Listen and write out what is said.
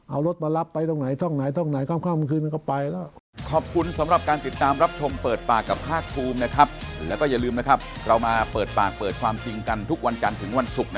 เอารถมารับไปตรงไหนตรงไหนตรงไหน